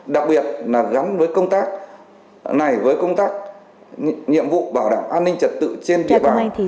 đặc biệt là gắn với công tác này với công tác nhiệm vụ bảo đảm an ninh trật tự trên tuyến